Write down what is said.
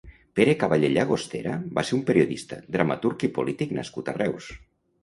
Pere Cavallé Llagostera va ser un periodista, dramaturg i polític nascut a Reus.